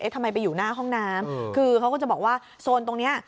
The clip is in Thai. ทำไมไปอยู่หน้าห้องน้ำคือเขาก็จะบอกว่าโซนตรงนี้